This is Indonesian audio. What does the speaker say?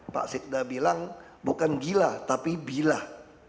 pak sekda bilang bukan gila tapi bilah